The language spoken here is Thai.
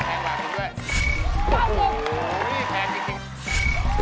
ตอบคำว่าชื่อเทปนี้